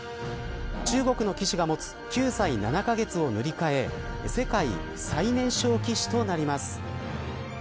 中国の棋士が持つ９歳７カ月を塗り替えた世界最年少棋士となります。